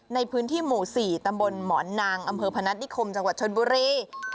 ในพื้นที่หมู่๔ตำบลหมอนนางอำเภอพนัฐนิคมจังหวัดชนบุรี